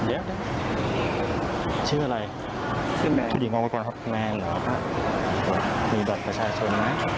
อันบันเดียวพี่เบียดก่อน